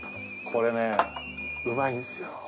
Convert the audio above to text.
これねうまいんすよ。